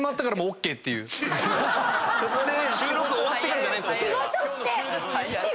収録終わってからじゃないんですか